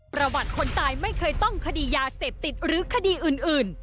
ประวัติคนตายไม่เคยต้องคดียาเสพติดหรือคดีอื่น